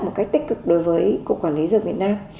một cách tích cực đối với cục quản lý dược việt nam